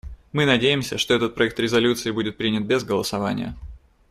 Мы надеемся, что этот проект резолюции будет принят без голосования.